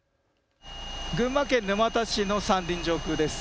群馬県沼田市の山林上空です。